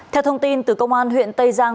theo thông tin từ công an huyện tây giang